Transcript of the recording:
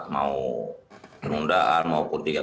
mau penundaan maupun